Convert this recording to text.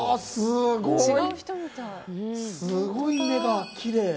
すごい目がきれい。